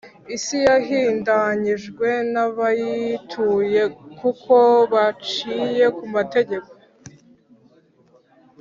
Isi yahindanyijwe n’abayituye, kuko baciye ku mategeko,